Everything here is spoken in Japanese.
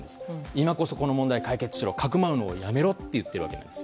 今こそ、この問題を解決しろかくまうのをやめろと言っているわけなんです。